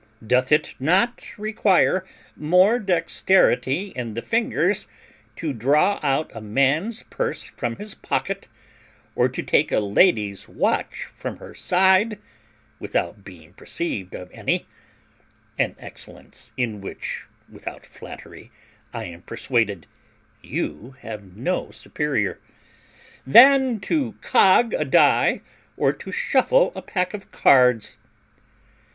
Doth it not require more dexterity in the fingers to draw out a man's purse from his pocket, or to take a lady's watch from her side, without being perceived of any (an excellence in which, without flattery, I am persuaded you have no superior), than to cog a die or to shuffle a pack of cards?